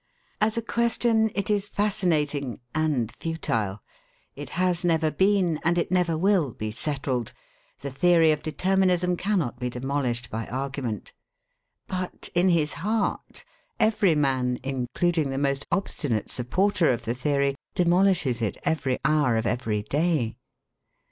As a question it is fascinating and futile. It has never been, and it never will be, settled. The theory of determinism cannot be demolished by argument. But in his heart every man, including the most obstinate supporter of the theory, demolishes it every hour of every day.